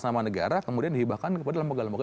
nama negara kemudian dihibahkan kepada lembaga lembaga